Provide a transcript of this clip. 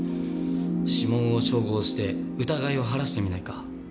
指紋を照合して疑いを晴らしてみないか？